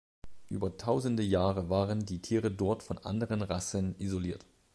Über Tausende Jahre waren die Tiere dort von anderen Rassen isoliert.